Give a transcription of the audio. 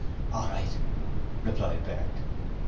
'All right,' replied Bert.